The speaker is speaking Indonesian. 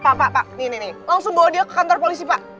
pak pak pak nih nih nih nih langsung bawa dia ke kantor polisi pak